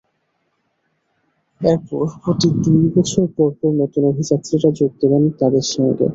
এরপর প্রতি দুই বছর পরপর নতুন অভিযাত্রীরা যোগ দেবেন তাদের সঙ্গে।